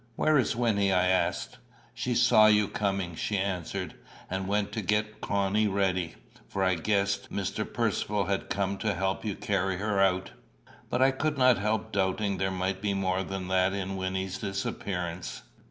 "Where is Wynnie?" I asked. "She saw you coming," she answered, "and went to get Connie ready; for I guessed Mr. Percivale had come to help you to carry her out." But I could not help doubting there might be more than that in Wynnie's disappearance.